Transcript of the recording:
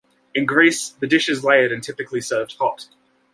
In Greece, the dish is layered and typically served hot.